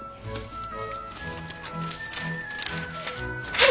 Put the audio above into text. はい！